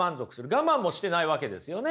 我慢もしてないわけですよね。